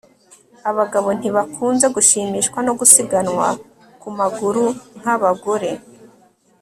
Abagabo ntibakunze gushimishwa no gusiganwa ku maguru nkabagore